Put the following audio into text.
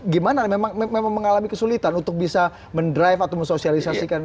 gimana memang mengalami kesulitan untuk bisa mendrive atau mensosialisasikan